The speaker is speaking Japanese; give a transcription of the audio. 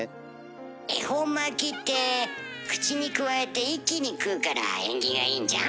恵方巻きって口にくわえて一気に食うから縁起がいいんじゃん？